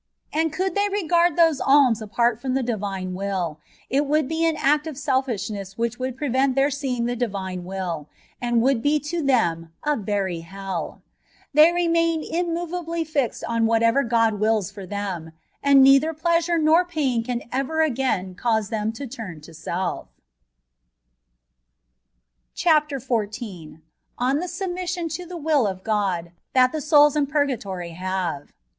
And could they regard those alms apart from the Divine Will^ it would be an act of selfishness which wonld prevent their seeing the Divine Will, and would be to them a veiy helL They remain immoveably fixed on "whatever God wills for them, and neither pleasure nor pain can ever again cause them to tum to self. CHAPTER XIV. ON THE fetrBMXSSiON lO THE WILL OF GOD THAT THE SOULS IN PUBGATORT HATE.